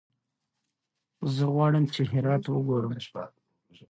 زه غواړم چې هرات وګورم.